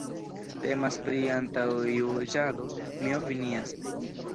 Temas pri antaŭjuĝado, mi opinias.